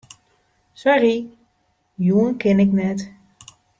Sorry, jûn kin ik net.